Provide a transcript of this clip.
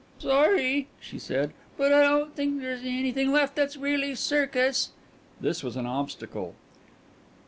"Sorry," she said, "but I don't think there's anything left that's really circus." This was an obstacle.